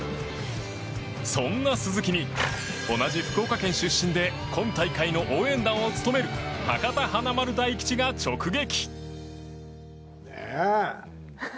そんな鈴木に同じ福岡県出身で今大会の応援団を務める博多華丸・大吉が直撃。